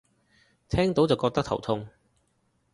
聽到就覺得頭痛